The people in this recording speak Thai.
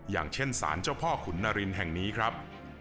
อย่างเช่นสารเจ้าพ่อขุนนารินแห่งนี้ครับ